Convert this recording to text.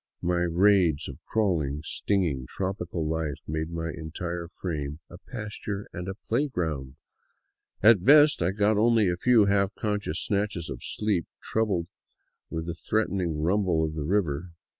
My riads of crawling, stinging tropical life made my entire frame a pas ture and playground, and at best I got only a few half conscious snatches of sleep, troubled with the threatening rumble of the river.